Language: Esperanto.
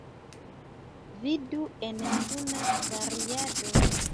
Vidu en suna variado.